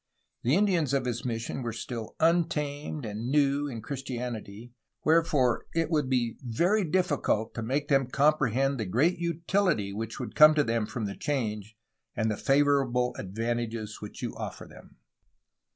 '' The Indians of his mission were "still untamed and new in Christianity," wherefore it would be "very difficult to make them comprehend the great utility which would come to them from the change and the favorable advantages which you offer them."